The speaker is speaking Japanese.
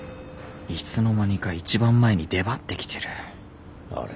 いつの間にか一番前に出張ってきてるあれ？